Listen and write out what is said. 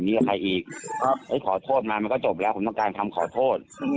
ผมต้องการทำขอโทษและผมขอนะว่าวันหลังอย่าไปให้ใครแบบนี้